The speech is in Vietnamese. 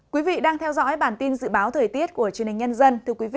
quý vị đang theo dõi bản tin dự báo thời tiết của truyền hình nhân dân